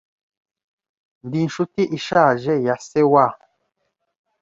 Ndi inshuti ishaje ya se wa .